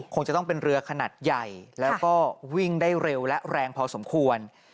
คงจะต้องเป็นเรือขนาดใหญ่แล้วก็วิ่งได้เร็วและแรงพอสมควร